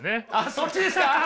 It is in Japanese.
そっちですか。